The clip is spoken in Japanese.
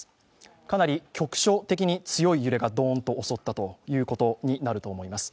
かなり局所的に強い揺れがドーンと襲ったことになると思います。